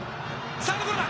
サードゴロだ。